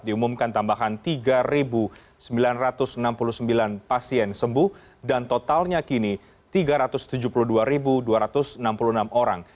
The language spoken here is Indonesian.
diumumkan tambahan tiga sembilan ratus enam puluh sembilan pasien sembuh dan totalnya kini tiga ratus tujuh puluh dua dua ratus enam puluh enam orang